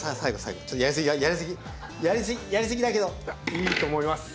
いいと思います。